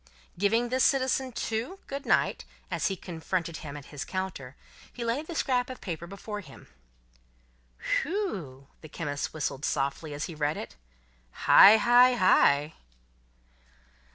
Giving this citizen, too, good night, as he confronted him at his counter, he laid the scrap of paper before him. "Whew!" the chemist whistled softly, as he read it. "Hi!